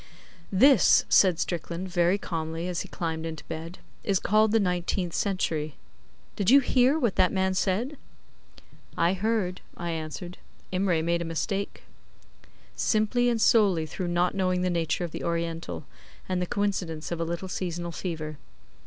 'This,' said Strickland, very calmly, as he climbed into bed, 'is called the nineteenth century. Did you hear what that man said?' 'I heard,' I answered. 'Imray made a mistake.' 'Simply and solely through not knowing the nature of the Oriental, and the coincidence of a little seasonal fever.